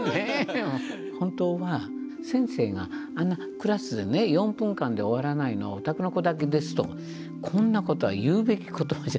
本当は先生があんなクラスでね４分間で終わらないのはお宅の子だけですとこんなことは言うべき言葉じゃ。